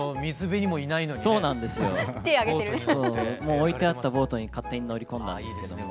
置いてあったボートに勝手に乗り込んだんですけど。